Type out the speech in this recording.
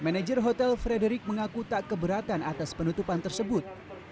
manager hotel frederick mengaku tak keberatan atas penutupan tersebut